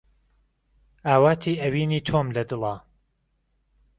ئاواتی ئەوینی تۆم لە دڵە